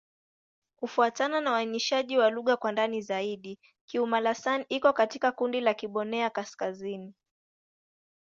Kufuatana na uainishaji wa lugha kwa ndani zaidi, Kiuma'-Lasan iko katika kundi la Kiborneo-Kaskazini.